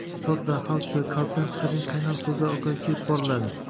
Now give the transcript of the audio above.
sodda, xalqchil, qalbdan chiqadigan qaynoq so‘zlar orqali kirib boriladi.